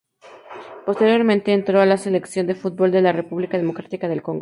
Posteriormente entrenó a la Selección de fútbol de la República Democrática del Congo.